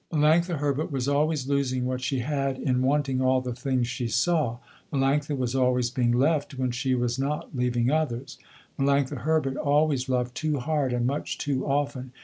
Melanctha Herbert was always losing what she had in wanting all the things she saw. Melanctha was always being left when she was not leaving others. Melanctha Herbert always loved too hard and much too often.